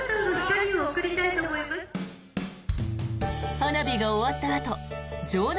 花火が終わったあと場内